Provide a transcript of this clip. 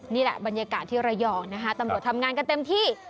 นี่แหละบรรยากาศที่ระยองนะคะตำรวจทำงานกันเต็มที่